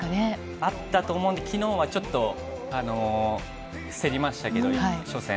あったと思うんで、きのうはちょっと競りましたけど、初戦。